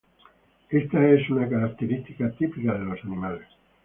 Esta es una característica típica de los animales.